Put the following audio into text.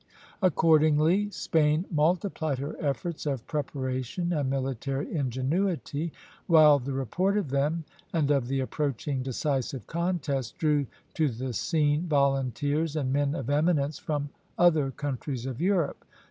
Accordingly Spain multiplied her efforts of preparation and military ingenuity; while the report of them and of the approaching decisive contest drew to the scene volunteers and men of eminence from other countries of Europe.